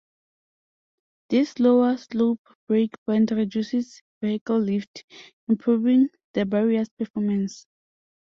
This lower slope break point reduces vehicle lift, improving the barrier's performance.